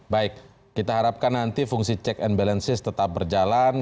baik kita harapkan nanti fungsi check and balances tetap berjalan